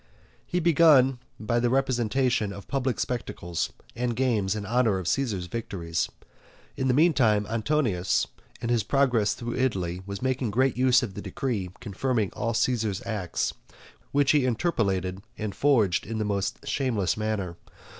He began by the representation of public spectacles and games in honour of Caesar's victories. In the meantime Antonius, in his progress through Italy, was making great use of the decree confirming all Caesar's acts, which he interpolated and forged in the most shameless manner.